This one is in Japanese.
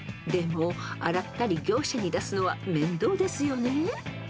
［でも洗ったり業者に出すのは面倒ですよね］